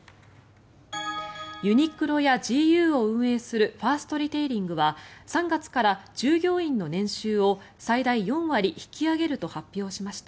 ユニクロやＧＵを運営するファーストリテイリングは３月から従業員の年収を最大４割引き上げると発表しました。